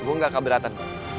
gue gak keberatan